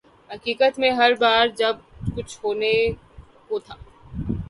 حقیقت میں ہر بار جب کچھ ہونے کو تھا۔